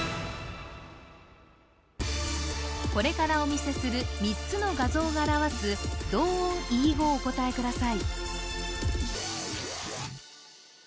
これからお見せする３つの画像が表す同音異義語をお答えください